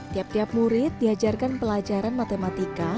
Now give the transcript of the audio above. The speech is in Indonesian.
tiap tiap murid diajarkan pelajaran matematika